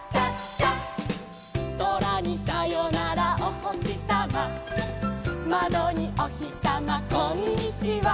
「そらにさよならおほしさま」「まどにおひさまこんにちは」